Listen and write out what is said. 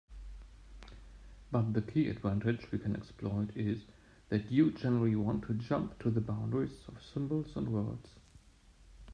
But the key advantage we can exploit is that you generally want to jump to the boundaries of symbols and words.